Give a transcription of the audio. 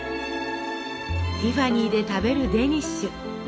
ティファニーで食べるデニッシュ。